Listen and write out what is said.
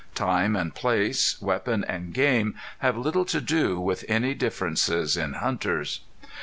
Time and place, weapon and game have little to do with any differences in hunters.